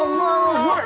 うまい！